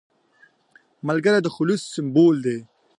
ملګری د خلوص سمبول دی